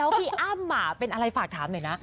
พี่อ้ำเป็นอะไรฝากถามหน่อยนะ